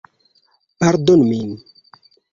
Pardonu min!